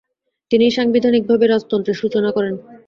তিনি সাংবিধানিকভাবে রাজতন্ত্রের সূচনা করেন।